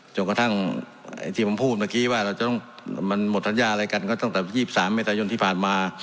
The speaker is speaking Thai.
จนกระทั่งที่ผมพูดเมื่อกี้ว่าเราจะต้องมันหมดสัญญาอะไรกันก็ตั้งแต่๒๓เมษายนที่ผ่านมา